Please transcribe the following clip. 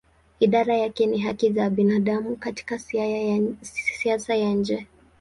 Idara yake ni haki za binadamu katika siasa ya nje.